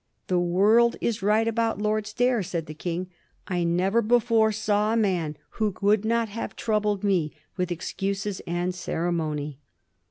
^ The world is right about Lord Stair,' said the King ;* I never before saw a man who would not have troubled me with excuses and ceremony.'